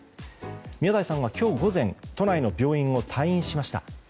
宮台さんは今日午前都内の病院を退院しました。